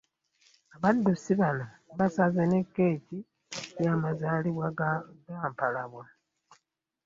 Abaddusi bano basaze ne kkeeki y'amazaalibwa g'e Mpalabwa